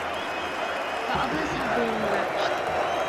The others had been — wretched.